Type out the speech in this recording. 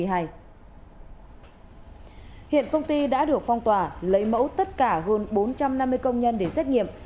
hiện công ty đã được phong tỏa lấy mẫu tất cả hơn bốn trăm năm mươi công nhân để xét nghiệm